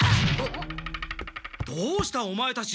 どうしたオマエたち！？